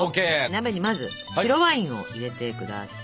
鍋にまず白ワインを入れてください。